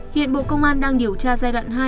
hiện bộ công an đang điều tra giai đoạn hai